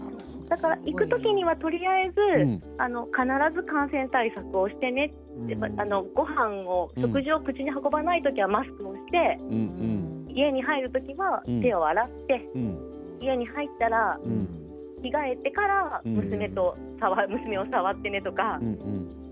行くときにはとりあえず必ず感染対策をしてね食事を口に運ぶときはマスクをして家に入るときは手を洗って家に入ったら着替えてから娘に触ってねって。